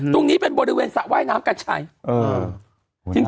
ตรงนี้เป็นบริเวณสระว่ายน้ำกัดฉ่ายเออจริง